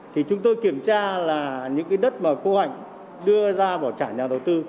thì chúng tôi kiểm tra là những cái đất mà cô hạnh đưa ra bỏ trả nhà đầu tư